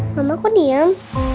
mama kok diam